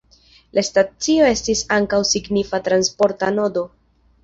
La stacio estas ankaŭ signifa transporta nodo.